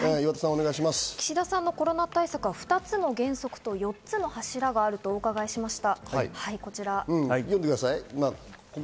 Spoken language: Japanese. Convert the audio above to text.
岸田さんのコロナ対策は、２つの原則、４つの柱があると伺いました。